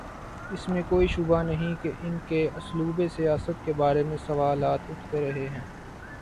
اس میں کوئی شبہ نہیں کہ ان کے اسلوب سیاست کے بارے میں سوالات اٹھتے رہے ہیں۔